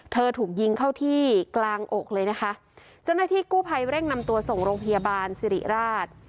ถูกยิงเข้าที่กลางอกเลยนะคะเจ้าหน้าที่กู้ภัยเร่งนำตัวส่งโรงพยาบาลสิริราช